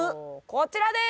こちらです！